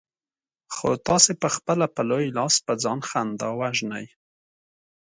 خو تاسې پخپله په لوی لاس په ځان خندا وژنئ.